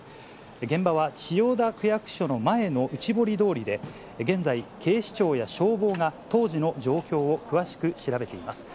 現場は千代田区役所の前の内堀通りで、現在、警視庁や消防が、当時の状況を詳しく調べています。